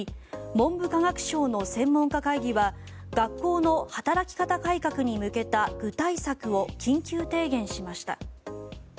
文部科学省の専門家会議は学校の働き方改革に向けた具体策を緊急提言しました。